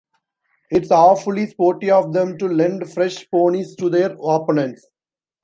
It's awfully sporty of them to lend fresh ponies to their opponents.